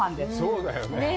そうだよね。